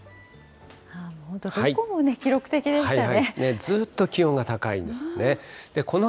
もう本当、どこもね、記録的でしたね。